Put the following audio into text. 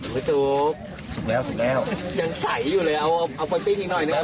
สุดแล้วสุดแล้ว